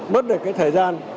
mất được cái thời gian